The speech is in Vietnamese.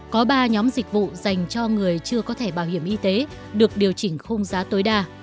có ba nhóm dịch vụ dành cho người chưa có thẻ bảo hiểm y tế được điều chỉnh khung giá tối đa